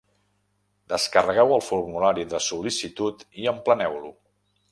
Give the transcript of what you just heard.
Descarregueu el formulari de sol·licitud i empleneu-lo.